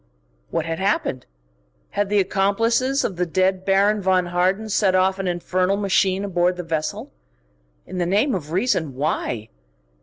What had happened? Had the accomplices of the dead Baron von Harden set off an infernal machine aboard the vessel? In the name of reason, why?